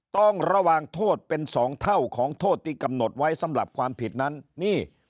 ต้องระวังโทษเป็น๒เท่าของโทษที่กำหนดไว้สำหรับความผิดนั้นนี่